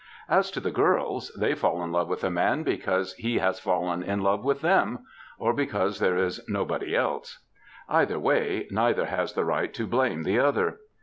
As to the girls, they fall in love with a man because he has fallen in love with them, or because there is nobody 101 102 MEN, WOMEN, AND MINXES else. Either way, neither has the right to blame the other.